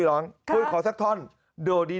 แถลงการแนะนำพระมหาเทวีเจ้าแห่งเมืองทิพย์